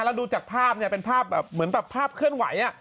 แล้วดูจากภาพเนี่ยเป็นภาพแบบเหมือนแบบภาพเคลื่อนไหว